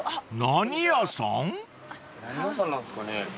何屋さんなんですかね？